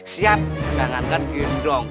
siap jangan kan gendong